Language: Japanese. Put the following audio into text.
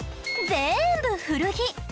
全部古着！